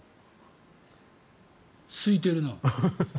すいてるな。